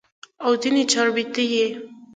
او ځني چاربيتې ئې